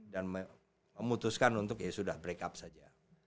dan memutuskan untuk ya sudah break up saja